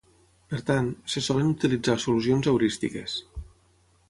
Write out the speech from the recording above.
Per tant, se solen utilitzar solucions heurístiques.